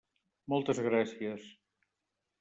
Moltes gràcies.